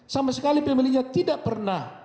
sama sekali pemilihnya tidak pernah